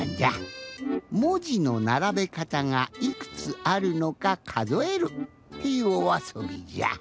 もじのならべかたがいくつあるのかかぞえるっていうおあそびじゃ。